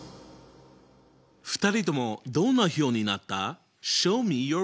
２人ともどんな表になった？